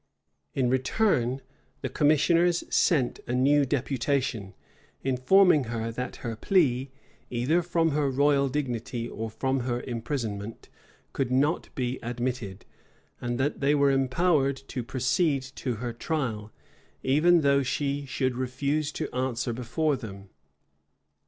In return, the commissioners sent a new deputation, informing her, that her plea, either from her royal dignity or from her imprisonment, could not be admitted; and that they were empowered to proceed to her trial, even though she should refuse to answer before them.